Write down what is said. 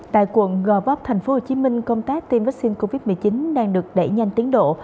tại quận gò vấp thành phố hồ chí minh công tác tiêm vaccine covid một mươi chín đang được đẩy nhanh tiến độ